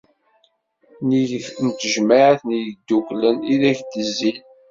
Nnig n tejmaɛt n yigduden i ak-d-izzin.